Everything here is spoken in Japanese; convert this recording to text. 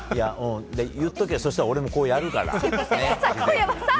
言っとけよ、そうしたら俺もこうやってやるから。